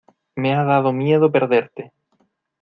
me ha dado miedo perderte.